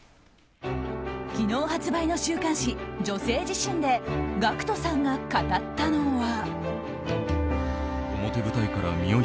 昨日発売の週刊誌「女性自身」でＧＡＣＫＴさんが語ったのは。